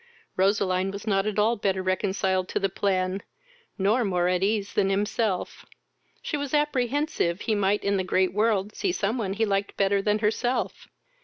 Roseline was not at all better reconciled to the plan, nor more at ease than himself. She was apprehensive he might in the great world see some one he like better than herself.